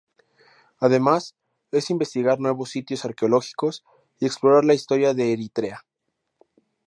Además, es investigar nuevos sitios arqueológicos y explorar la historia de Eritrea.